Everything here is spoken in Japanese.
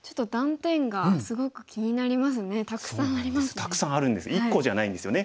たくさんあるんです１個じゃないんですよね。